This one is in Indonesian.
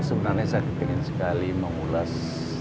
sebenarnya saya ingin sekali mengulas